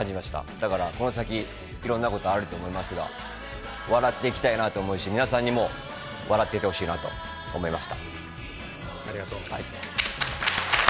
だからこの先、いろいろなことがあると思いますが笑っていきたいなと思いますし、皆さんにも笑っていていただきたいなと思いました。